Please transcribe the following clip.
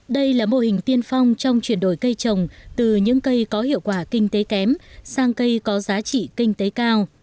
đây là mô hình tiên phong trong chuyển đổi cây trồng từ những cây có hiệu quả kinh tế kém sang cây có giá trị kinh tế cao